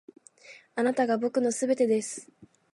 あなたが僕の全てです．